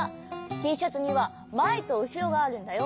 Ｔシャツにはまえとうしろがあるんだよ。